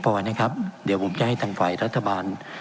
พอนะครับเดี๋ยวผมจะให้ทางฝ่ายรัฐบาล